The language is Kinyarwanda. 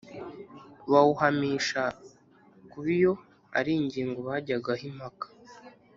bawuhamishaga kuba iyo ari yo ngingo bajyagaho impaka